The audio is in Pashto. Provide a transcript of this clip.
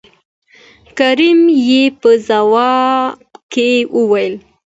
کريم يې په ځواب کې وويل